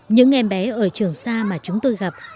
những em bé ở trường xa mà chúng tôi gặp